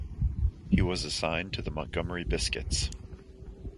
He was assigned to the Montgomery Biscuits.